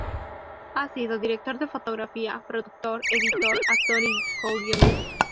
Ha sido director de fotografía, productor, editor, actor y coguionista.